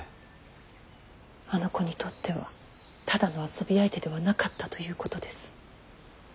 あの子にとってはただの遊び相手ではなかったということです。